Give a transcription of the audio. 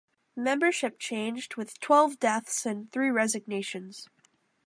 Membership changed with twelve deaths and three resignations.